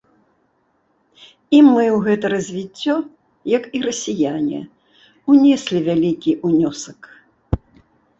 І мы ў гэта развіццё, як і расіяне, унеслі вялікі ўнёсак.